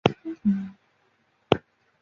近松门左卫门的作品。